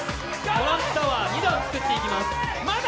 トランプタワー２段作っていきます。